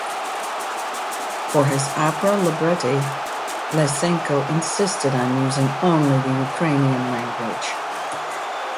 For his opera libretti Lysenko insisted on using only the Ukrainian language.